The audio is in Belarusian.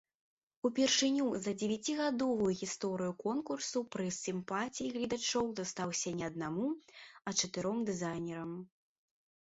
Упершыню за дзевяцігадовую гісторыю конкурсу прыз сімпатый гледачоў дастаўся не аднаму, а чатыром дызайнерам.